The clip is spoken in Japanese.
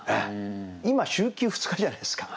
今週休２日じゃないですか。